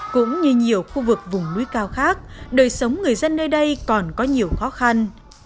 cũng như nhiều khu vực vùng núi cao khác đời sống người dân nơi đây còn có nhiều khó khăn